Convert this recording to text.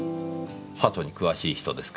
鳩に詳しい人ですか？